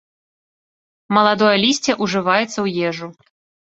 Маладое лісце ўжываецца ў ежу.